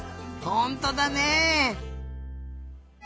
ほんとだね！